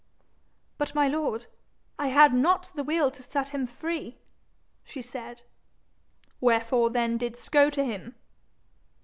'But, my lord, I had not the will to set him free,' she said. 'Wherefore then didst go to him?'